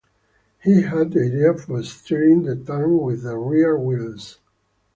He had the idea for steering the tank with the rear wheels.